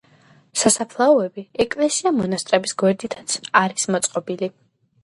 სასაფლაოები ეკლესია-მონასტრების გვერდითაც არის მოწყობილი.